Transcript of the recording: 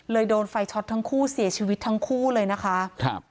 โดนไฟช็อตทั้งคู่เสียชีวิตทั้งคู่เลยนะคะครับ